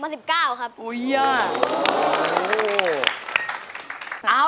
พรีกถาม